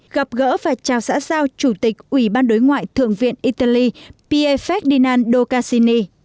gặp gỡ và chào xã giao chủ tịch ủy ban đối ngoại thượng viện italy pied ferdinando cassini